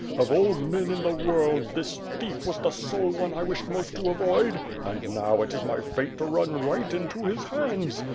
Of all men in the world, this thief was the sole one I wished most to avoid; and now, it is my fate to run right into his hands.